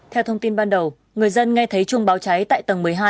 theo thông tin ban đầu người dân nghe thấy chuông báo cháy tại tầng một mươi hai